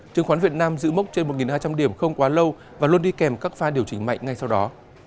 trường khoán việt nam giữ mốc trên một hai trăm linh điểm không quá lâu và luôn đi kèm các pha điều chỉnh mạnh ngay sau đó